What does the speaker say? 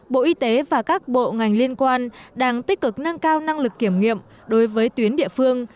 bộ y tế và các bộ ngành liên quan đang tích cực nâng cao năng lực kiểm nghiệm đối với tuyến địa phương